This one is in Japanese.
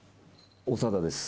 長田です。